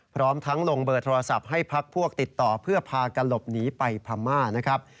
พร้อมทั้งลงเบอร์โทรศัพท์ให้พักพวกติดต่อเพื่อพากันหลบหนีไปพม่านะครับ